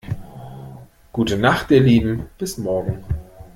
Gute Nacht ihr Lieben, bis morgen.